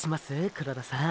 黒田さん。